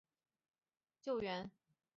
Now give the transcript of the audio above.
宋朝鄂州诸军都统制孟珙回来援救。